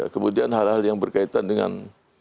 kemudian hal hal yang berkaitan dengan